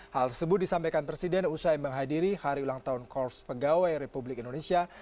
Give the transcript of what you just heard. hal tersebut disampaikan presiden usai menghadiri hari ulang tahun korps pegawai republik indonesia